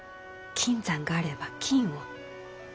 金山があれば金を。